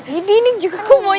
jadi ini juga kumpulin